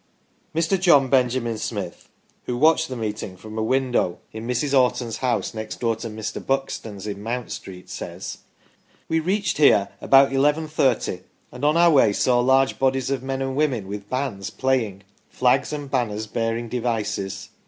Mr. John Benjamin Smith, who watched the meeting from a window in Mrs. Orton's house, next door to Mr. Buxton's in Mount Street, says :" We reached there about eleven thirty, and on our way saw large bodies of men and women with bands playing, flags and banners bearing devices.